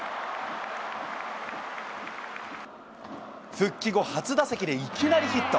復帰後初打席でいきなりヒット。